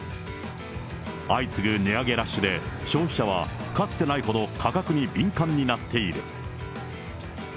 相次ぐ値上げラッシュで、消費者はかつてないほど価格に敏感になっている。